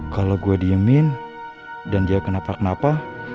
kalau gue diemin dan dia kenapa kenapa